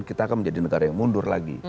kita akan menjadi negara yang mundur lagi